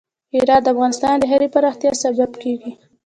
هرات د افغانستان د ښاري پراختیا سبب کېږي.